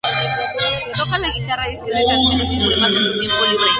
Toca la guitarra y escribe canciones y poemas en su tiempo libre.